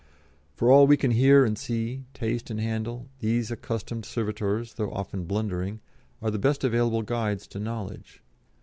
For all we can hear and see, taste and handle, these accustomed servitors, though often blundering, are the best available guides to knowledge.